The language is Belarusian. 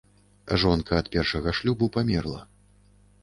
Жонка ад першага шлюбу памерла.